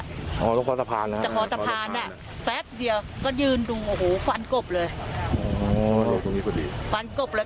นะฮะทรกษพานก็ฟักเดียวก็ยืนดูโอ้โหฟันกบเลย